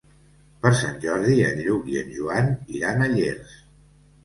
Per Sant Jordi en Lluc i en Joan iran a Llers.